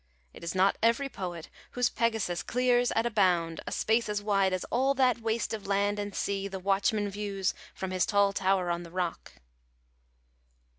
It is not every poet whose Pegasus clears at a bound a space as wide as all that waste of land and sea the watchman views from his tall tower on the rock.